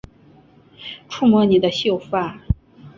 触摸你的秀发